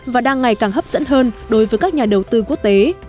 và đang ngày càng hấp dẫn hơn đối với các nhà đầu tư quốc tế